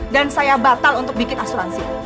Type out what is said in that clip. dan saya batal untuk bikin asuransi